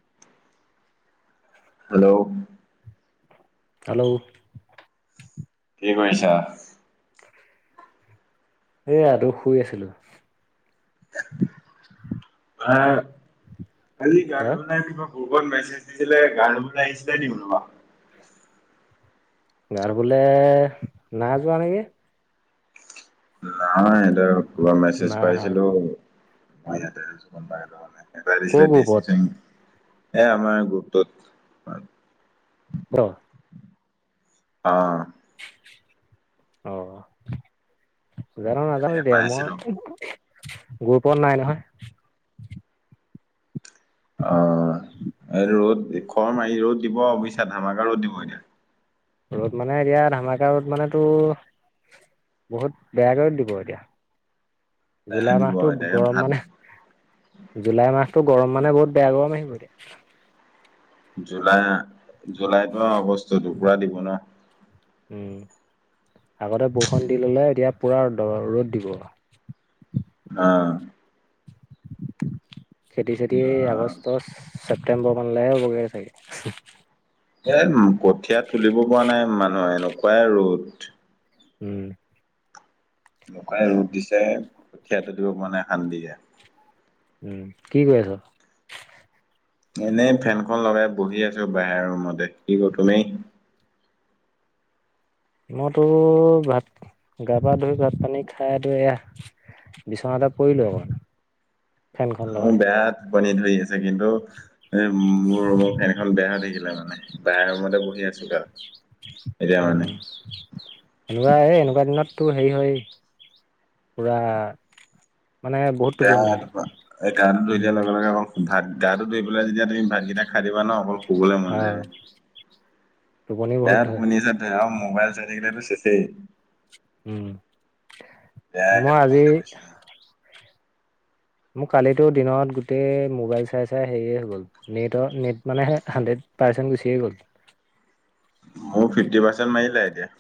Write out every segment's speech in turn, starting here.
[inaudible] Hello hello কি কৰিছা? এয়া টোৰ শুই আছিলো। অঁ কালি গা হা ধুই পেলাই দিব। গ্ৰুপত মেছেজ দিছিলে গা ধুবলৈ আহিছিলে নেকি কোনোবা? গা ধুবলে নাই যোৱা নেকি? নাই এয়া কিবা মেছেজ নাই আহা পাইছিলো মই ইযাতে। আছোঁ নাই মানে এটা কৰ দিছিলে দচি গ্ৰুপত জৈন এ আমাৰ গুৰুপটোত। অ অঁ [unintelligible] তেনেকে গ্ৰুপত পাইছিলো নাই নহয়। অঁ, এই ৰ'দ খৰ মাৰি ৰ'দ দিব বুইছা ধামাকা ৰ'দ দিব এতিয়া। ৰ'দ মানে এতিয়া ধামাকা ৰ'দ মানেতো বহুত বেয়াকে দিব এতিয়া এতিয়া জুলাই দিব মাহতটো এতিয়া গৰম ভাত মানে। জুলাই মাহতটো গৰম মানে বহুত বেয়া গৰম আহিব এতিয়া। জুলাই জুলাইতো অগষ্ট দুপুৰা দিব ন। উম, আগতে বৰষুণ দি ললে এতিয়া পুৰা ৰ'দ দিব। অঁ খেতি চেতি অ আগষ্টৰ ছেপ্তেম্বৰ মানলৈহে হ'বগৈ চাগে। এ কঠীয়া তুলিব পৰা নাই মানুহ এনেকুৱাই ৰ'দ। উম লকাই ৰূপ দিছে, কঠীয়া তুলিব পৰা নাই শান্তিকে। উম, কি কৰি আছ? এনেই ফেনখন লগাই বহি আছো বাহিৰৰ ৰুমতে, কি কৰ তুমি? মইতো ভাত, গা-পা ধুই ভাত-পানী খাই এতিয়া এয়া বিছনাতে পৰিলো অকন। মোৰ বেয়া টুপনি ধৰি আছে। কিন্তু এ, মোৰ ৰুমৰ ফেন এখন বেয়া হৈ থাকিলে মানে, বাই ৰুমতে বহি আছোঁগে আৰু। উম। এনেকুৱা এ, এনেকুৱা দিনতো হেৰি হয়, পুৰা মানে বহুত টোপনি বেয়া ধৰে হোৱা এই গাতো ধুই দিয়া উম লগে-লগে অ ভাত, গাটো ধুই পেলাই যেতিয়া তুমি ভাতকেইটা খাই দিবা ন, অকল শুবলৈ মন অ যায়, টোপনি বহুত বেয়া ধৰে টোপনি [unintelligible] আৰু মোবাইল চাই থাকিলেতো শেষেই। উম, বেয়াকে মই টোপনি আজি ধৰিছে। মোৰ কালিতো দিনত গোটেই মোবাইল চাই-চাই হেৰিয়ে হৈ গ'ল! নেটৰ নেট মানে হাণ্ড্ৰেড পাৰ্চেণ্ট গুচিয়ে গ'ল। মোৰ ফিফ্টি পাৰ্চেণ্ট মাৰিলে এতিয়া।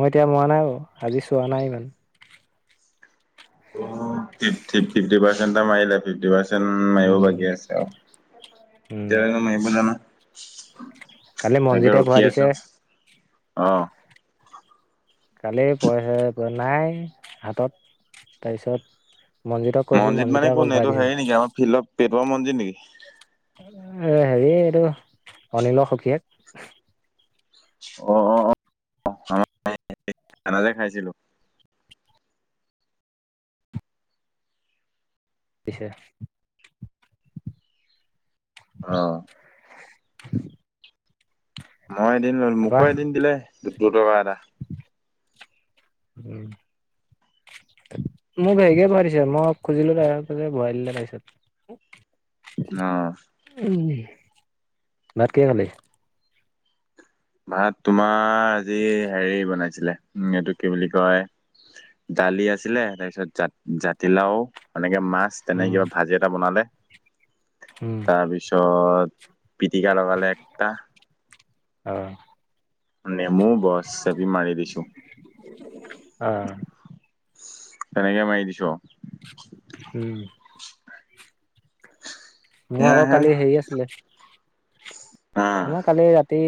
মোৰ এতিয়া মৰা নাই বাৰু! আজি চোৱা নাই ইমান। ফিফটি ফিফটি পাৰ্চেন্ট এটা মাৰিলে ফিফটি পাৰ্চেন্ট মাৰিব উম বাকী আছে আৰু। উম কেতিয়ালেনো মাৰিব জানো! কালি তাকে মনজিতে ভৰাই ৰখি দিছে আছো। অঁ। কালি-পৰহিৰে পৰা নাই হাতত, তাৰপিছত মনজিৎক কৈছো মনজিতে আকৌ ভৰাই দিছে। ভিল্ৰ [unintelligible] মনজিৎ নেকি! এ, হেৰি এইটো, অনিলৰ সখীয়েক। অ, অ, অ, [unintelligible] খানা যে খাইছিলোঁ। পিছে অ। [inaudible] মই এদিন ললো তাৰপা মোকো এদিন দিলে দু দুটকা এটা। উম। মোক হেৰিকে ভৰাই দিছে, মই খুজিলো তাৰ [unintelligible] ভৰাই দিলে তাৰপিছত। অহ। উম, ভাত কিহে খালে? ভাত তোমাৰ আজি হেৰি বনাইছিলে, এইটো কি বুলি কয়? দালি আছিলে, তাৰপিছত জাত জাতিলাও এনেকে মাছ তেনে উম কিবা ভাজি এটা বনালে উম তাৰপিছত পিটিকা লগালে একটা আহ! নেমু বছ চেপি মাৰি দিছো আহ! তেনেকে মাৰি দিছোঁ আৰু। উম। মোৰ আকৌ সেয়াহে কালি হেৰি আছিলে, আহ আমাৰ কালি ৰাতি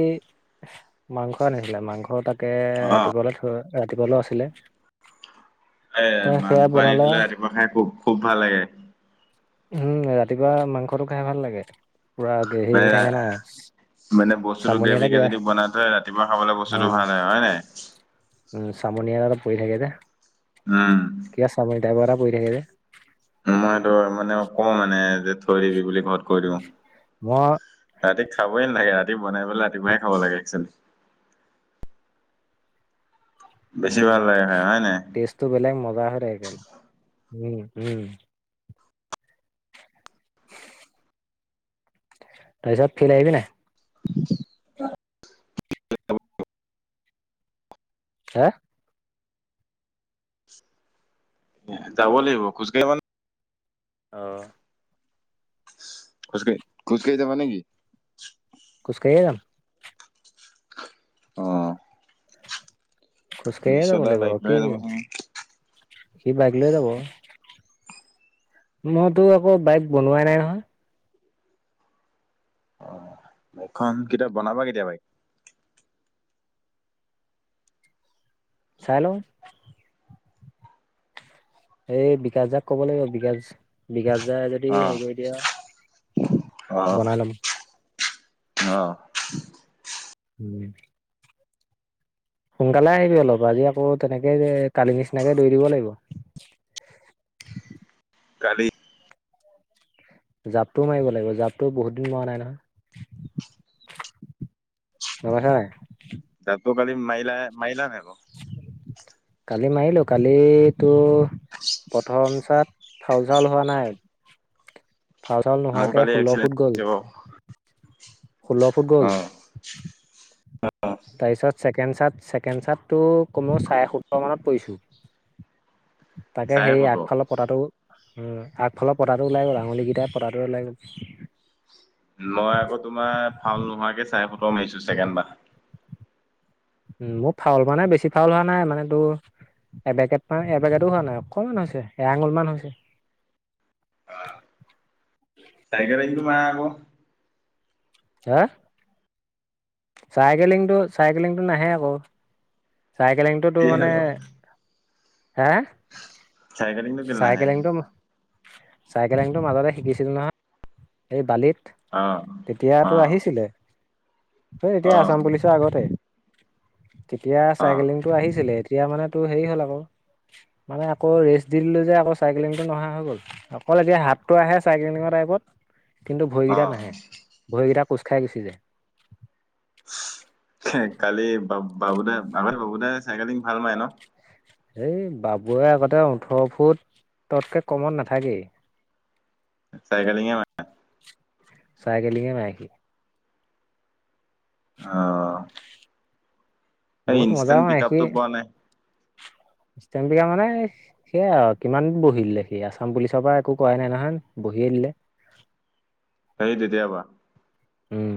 মাংস আনিছিলে। মাংস তাকে অ ৰাতিপুৱালৈ থৈ ৰাতিপুৱালেও আছিলে। এ, তাই সেয়া মাংস আনি বনালে আও। থ'লে ৰাতিপুৱা খাই খুব-খুব ভাল লাগে। উম, ৰাতিপুৱা মাংসটো খাই ভাল লাগে, পুৰা গ্ৰেভি মানে হৈ থাকে না। মানে বস্তুতটো চামনি এটা গ্ৰেভিকে কিবা যদি বনাই থয়, ৰাতিপুৱা খাবলৈ অ বস্তুতটো ভাল হয়, হয় নে নাই? উম, চামনিয়া [unintelligible] পৰি থাকে যে। উম কাই পৰা পৰি থাকে যে মই এইটো মানে কওঁ মানে যে থৈ দিবি বুলি ঘৰত কৈ দিওঁ। মই ৰাতি খাবই নালাগে। ৰাতি বনাই মেলাই ৰাতিপুৱাই খাব লাগে একচোৱেলি। বেছি ভাল উম। লাগে খাই হয় নাই? টেষ্টটো বেলেগ মজা হয় থাকে কিন্তু উম। তাৰপিছত ফিল্ড আহিবি নাই? [unintelligible] হা? যাব লাগিব খোজকাঢ়ি [unintelligible] অঁ। খোজ কাঢ়ি খোজকাঢ়ি যাবা নে কি? খোজকাঢ়িয়েই যাম। অ। খোজকাঢ়িয়েই যাব বিশ্বদা লাগিব, বাইক লৈ কি যাবচোন সি বাইক লৈ যাব। মই তোৰ আকৌ বাইক বনোৱাই নাই নহয়। অ বাইকখন কেতিয়া বনাবা কেতিয়া বাইক? চাই লওঁ। এই বিকাশ দাক কব লাগিব। বিকাশ বিকাশ দাই যদি অ'। হেৰি কৰি দিয়ে আৰু। বনাই ল'ম অঁ। [inaudible] সোনকালে আহিবি অলপ আজি আকৌ তেনেকে কালি নিচিনাকে দৈ দিব লাগিব। কালি জাপটোও মাৰিব লাগিব জাপটো বহুত দিন মৰা নাই নহয়। গম পাইছা নাই? জাপটো কালি মাৰিলা মাৰিলা নাই বাৰু? কালি মাৰিলো, কালি তোৰ প্ৰথম চাত ফাউল চাউল হোৱা নাই। ফাউল চাউল মোৰ নোহোৱাকে কালি ষোল্ল ফুট এক্সিডেণ্ট গ'ল, হৈছে বাৰু। ষোল্ল ফুট গ'ল। অ', তাৰপিছত ছেকেণ্ড চাত ছেকেণ্ড চাতটো কমেও চাৰে সোত্তৰ মানত পৰিছো। তাকে চাৰে সেই সোতৰ আগফালৰ পতাটো উম আগফালৰ পতাটো ওলাই গ'ল আঙুলিকেইটাই পতাটোৱে ওলাই গ'ল। মই আকৌ তোমাৰ ফাউল নোহোৱাকে চাৰে সোতৰ মাৰিছো ছেকেণ্ড বাৰ। উম মোৰ ফাউল মানে বেছি ফাউল হোৱা নাই মানে তোৰ এবেকেট মান এবেকেতো হোৱা নাই অকণমান হৈছে এয়াঙুল মান হৈছে। অ চাইকেলিংটো মাৰা আক হা? চাইকেলিংটো চাইকেলিংটো নাহে আক'। চাইকেলিংটো কি তোৰ মানে হ'ল? হে হে চাইকেলিংটো কেলে নাহে চাইকেলিংটো চাইকেলিংটো মাজতে শিকিছিলো নহয়। এই বালিত অ'। তেতিয়াতো অ', আহিছিলে। এ এতিয়া অ', আছাম পুলিচৰ আগতে, তেতিয়া অ'। চাইকেলিং টো আহিছিলে এতিয়া মানে তো হেৰি হ'ল আকৌ মানে আকৌ ৰেষ্ট দি দিলোঁ যে আকৌ চাইকেলিংটো নহা হৈ গ'ল অকল এতিয়া হাতটো আহে চাইকেলিংৰ টাইপত কিন্তু ভৰিকেইটা অ', নাহে ভৰিকেইটা কোচ খাই গুচি যায় হে কালি বা বাবুদাই আগতে বাবুদাই চাইকেলিং ভাল মাৰে ন এই বাবুৱে আগতে ওঠৰ ফুট ততকে কমত নাথাকেই চাইকেলিঙে মা চাইকেলিঙে মাৰে সি অ', এই বহুত মজাও ইনষ্টেণ্ট পিক আপটো পোৱা নাই ষ্টেমবিঘা মানেই সেয়া আৰু কিমান দিন বহি দিলে সি আসাম পুলিচৰ পৰা একো কৰাই নাই নহয় বহিয়ে দিলে সেই তেতিয়াৰ পৰা উম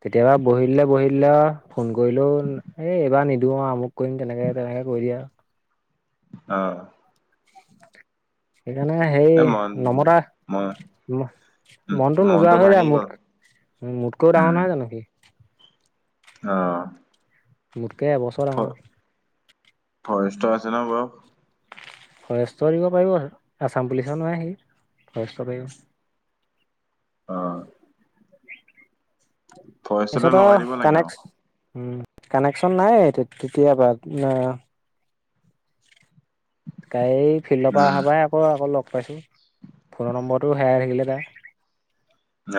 কেতিয়াবা বহিদিলে বহিদিলে আৱ ফোন কৰিলও এই এইবাৰ নিদো আৰু আমুক কৰিম তেনেকে তেনেকে কৰি দিয়া আৰু অ সেইকাৰণে সেই এই মন নমতা ম ম উম, মনতো নোযোৱা মনটো হৈ যায় ভাঙি গ'ল মোত মোতকৈও ডাঙৰ উম নহয় জানো সি অ মোটকে এব ফ ফৰেষ্টৰ আছে ন বয়খ ফৰেষ্ট দিব পাৰিব আছাম পুলিচৰ নোৱাই সি ফৰেষ্ট পাৰিব অঁ ফৰেষ্টতে পিছত লগাই আৱ দিব লাগে আৰু কানেক্স উম কানেকশ্যন নাই তেতিয়াবা নাই আও কাই ফিল্ডৰ পৰা অহাৰ উম পৰাই আকৌ আকৌ লগ পাইছোঁ ফোনৰ নম্বৰটো হেৰাই থাকিলে তা ন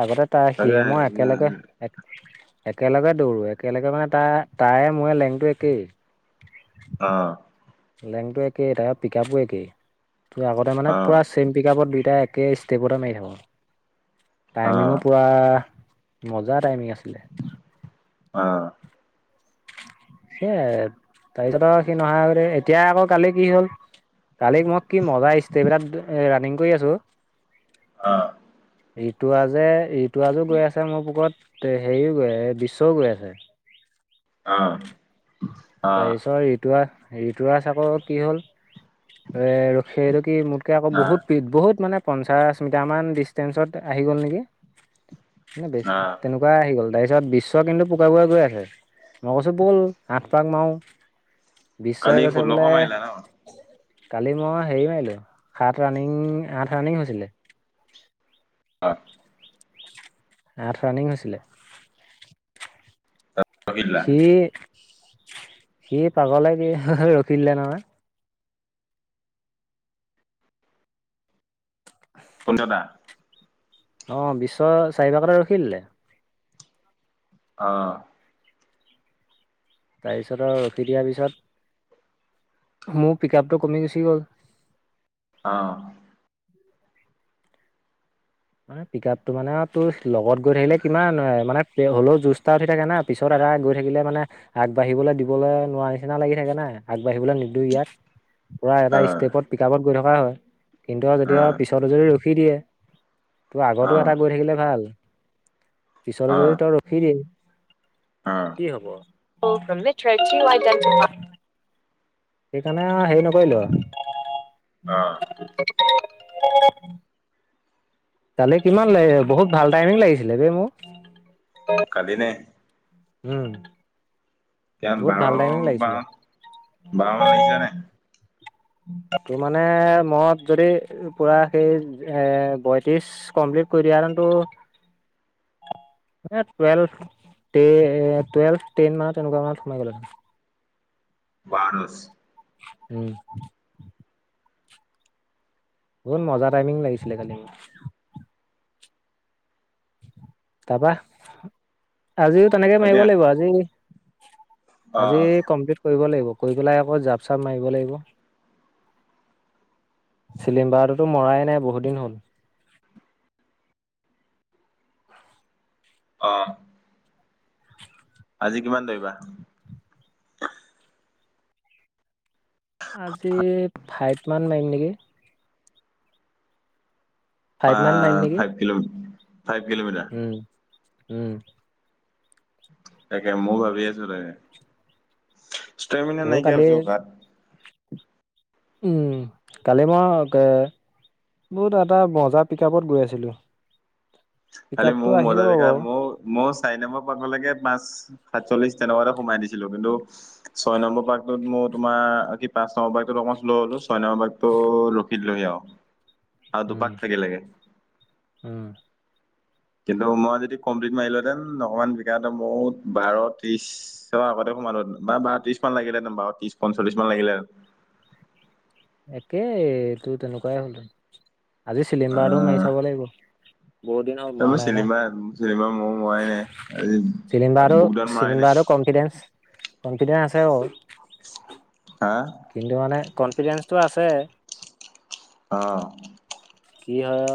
আগতে তাৰ তাকে সিয়ে মই একেলগে এক একেলগে দৌৰো একেলগে মানে তাৰ তায়ে মোয়ে লেংটো একেই অ লেংটো একেই তাৰ পিকআপো একেই তোৰ আগতে মানে অ অ অ পুৰা চেম পিক আপত দুইটাই একে ষ্টেপতে মাৰি থাকো অ টাইমিঙো পুৰা মজা টাইমিং আছিলে। অ এই তাৰিছত সি নহাৰ আগতে এতিয়া আকৌ কালি কি হ'ল কালি মই কি মজা ষ্টেপ এটাত ৰানিং কৰি আছোঁ অ ৰী তুৰাজে ৰীতুৰজেও যে আছে ইটোৰাজো গৈ আছে মোৰ পুকত হেৰিও গৈ বিশ্বও গৈ আছে অ তাৰপিছত ঋতুৰাজ, ঋতুৰাজ আকৌ কি হ'ল এ সেইটো কি মোতকে আকৌ অ অ বহুত বহুত মানে পঞ্চাশ মিটাৰ মান ডিচষ্টেন্ঞ্চত আহি গ'ল নেকি তেনেকুৱা আহি গ'ল তাৰপিছত বিশ্ব কিন্তু পোকাগুৱা গৈ আছে মই কৈছো বল অত পাক মাৰো বিশ্বই কালি গৈছে ষোল্লশ বোলে মাৰিলা ন কালি মই হেৰি মাৰিলো সাত ৰানিং আঠ ৰানিং হৈছিলে অ আঠ ৰাণিং হৈছিলে। ৰখিলা সি সি পাগলে কি ৰখিলে নহয়। পোন্ধৰটা। অ বিশৰ চাৰিবাৰ পাকতে ৰখি দিলে। অঁ। তাৰপিছত আৰু ৰখি দিয়াৰ পিছত, মোৰ পিক আপটো কমি গুচি গ'ল। অ। মানে পিক আপটো মানে আৰু তোৰ লগত গৈ থাকিলে কিমান হয় মানে হ'লেও যুজ তা দি থাকে না পিছত এটা গৈ থাকিলে মানে আগবাঢ়িবলৈ দিবলৈ নোৱাৰ নিচিনা লাগি থাকে নাই, আগবাঢ়িবলৈ নিদিওঁ ইয়াত, পূৰা অ অ এটা ষ্টেপত পিক আপত গৈ থকা হয় কিন্তু অ যেতিয়া পিছতো যদি ৰখি দিয়ে তোৰ আগতো এটা গৈ থাকিলে ভাল পিছত অ যদি তই ৰখি দিয়ে অ কি হব? [inaudible] সেইকাৰণে আ হেৰি নকৰিলো আৰু। অ। উ [inaudible] তালৈ কিমান লাগে বহুত ভাল টাইমিং লাগিছিলে বেই মোক। পাদিনে। উম। ইতিয়া বহুত বাৰ ভাল টাইমিং বা লাগিছিলে বাৰমান লাগিছে নে? তোৰ মানে মদ যদি পুৰা সেই এ বয়ত্ৰিশ ইচ কমপ্লিট কৰি দিয়াহেতেনটো [inaudible] তে এ টুৱেলভ টেন মান তেনেকুৱা মানত সোমাই গ'ল। বানচ উম। বহুত মজা টাইমিং লাগিচিলে কালি। তাৰপা আজিও তেনেকে তাকে মাৰিব লাগিব আজি অ আজি কমপ্লিট কৰিব লাগিব, কৰি পেলাই আকৌ জাপ - চাপ মাৰিব লাগিব। চিলিম্বাৰটোতো মৰাই নাই বহুত দিন হ'ল। অ। আজি কিমান ধৰিবা? আজি ফাইৱমান মাৰিম নেকি? ফাইভ আ মান মাৰিম নেকি ফাইভ কিল, ফাইভ কিলোমিটাৰ। উম, উম। তাকে মও ভাবি আছো তাকে। ষ্টেমিনা ত' নাইকিয়া কালি, হৈছে অ' গাত উম কালি মই ক বহুত এটা মজা পিক আপত গৈ আছিলো। পিক খালি মো আপটো আহি মজা যাব পিকআপ বাৰু মো মও চাৰি নম্বৰ পাবলৈকে পাঁচ, সাতচল্লিশ তেনেকুৱাতে সোমাই দিছিলো কিন্তু ছয় নম্বৰ পাকটোত মই তোমাৰ কি পাঁচ নম্বৰ পাকটোত অকণ শ্ল হলোঁ, ছয় নম্বৰ পাকটোত ৰখি দিলোঁহী আও। [inaudible] আৰু দুপাক থাকিলেগে। উম। কিন্তু মই যদি কমপ্লিট মাৰিলোহেতেন অকমান বিকা হলে মও বাৰ, ত্ৰিশ চ আগতে সোমালোহেতেন বা বাৰ, ত্ৰিশমান লাগিলেহেতেন বাৰ, ত্ৰিশ, পঞ্চলিচমান লাগিলে একেইটো তেনেকুৱাই হ'ল [inaudible] আজি চিলিম্বাৰটো মাৰি আহ চাব লাগিব। বহুত দিন হল মৰা তাৰপৰা নাই না। চিনেমা চিনেমা ময়ো মৰাই নাই আজি চিলিণ্ডাৰটো বুকডাউন মৰাই নাই চিলিণ্ডাৰটো কনফিডেনছ- কনফিডেন্ আছে বাৰো। হাঁ। কিন্তু, মানে কনফিডেন্ঞ্চটো আছে। অঁ' কি হয়?